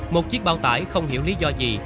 một chiếc bao tải không hiểu lý do gì